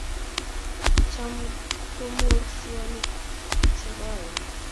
Cham kumur sioik che koen